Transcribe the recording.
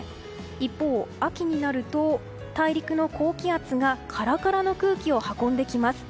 一方、秋になると大陸の高気圧がカラカラの空気を運んできます。